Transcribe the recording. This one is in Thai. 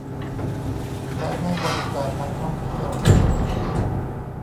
และให้บริการนักท่องเที่ยว